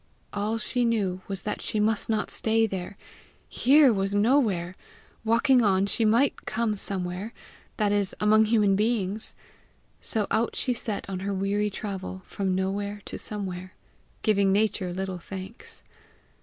All she knew was that she must not stay there. Here was nowhere; walking on she might come somewhere that is, among human beings! So out she set on her weary travel from no where to somewhere, giving Nature little thanks.